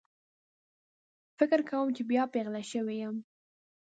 فکر کوم چې بیا پیغله شوې یم